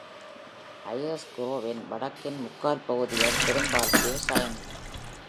Eyers Groveவின் வடக்கின் முக்கால் பகுதிகள் பெரும்பாலும் விவசாய நிலம்.